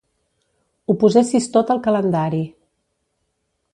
Ho posessis tot al calendari.